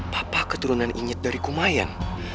papa keturunan inyet dari kumayan